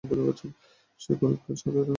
সেই গল্পে তার সাথে একটা ছোট মেয়েও আছে, তাই না?